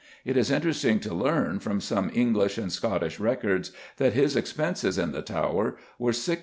It is interesting to learn, from some English and Scottish records, that his expenses in the Tower were 6s.